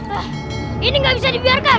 hah ini gak bisa dibiarkan